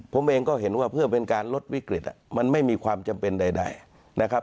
ผมเองก็เห็นว่าเพื่อเป็นการลดวิกฤตมันไม่มีความจำเป็นใดนะครับ